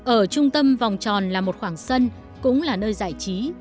ở trung tâm vòng tròn là một khoảng sân cũng là nơi giải trí